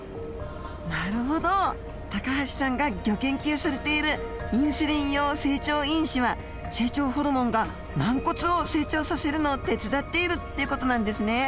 なるほど高橋さんがギョ研究されているインスリン様成長因子は成長ホルモンが軟骨を成長させるのを手伝っているっていう事なんですね。